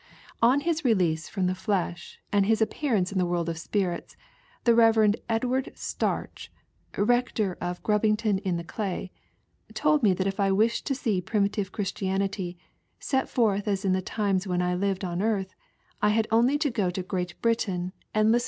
On his release from the flesh and his appearance in the world of spirits, the Rev. Edward Starch, Hector of Grubbington in the Clay, told me that if I wished to see primitive Christianity, set forth as in the times when I lived I on earth, I had only to go to Great Britain and listen O ONLY A GHOST.